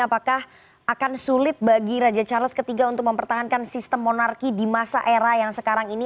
apakah akan sulit bagi raja charles iii untuk mempertahankan sistem monarki di masa era yang sekarang ini